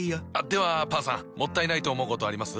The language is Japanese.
ではパンさんもったいないと思うことあります？